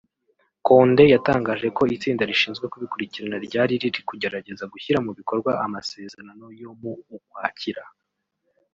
Condé yatangaje ko itsinda rishinzwe kubikurikirana ryari riri kugerageza gushyira mu bikorwa amasezerano yo mu Ukwakira